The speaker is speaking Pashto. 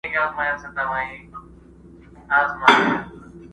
عرب وویل له مخه مي سه لیري!.